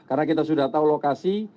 karena kita sudah tahu lokasi